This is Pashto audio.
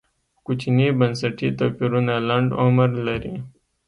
کوچني بنسټي توپیرونه لنډ عمر لري.